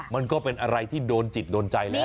มันก็เป็นอะไรที่โดนจิตโดนใจแล้ว